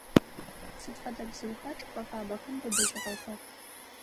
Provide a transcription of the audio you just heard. Сыд фэдэ бзыуха чӏыпӏэ фабэхэм быбыжьыгъэхэр?